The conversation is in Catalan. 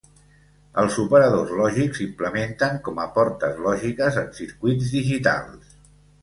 Els operadors lògics s'implementen com a portes lògiques en circuits digitals.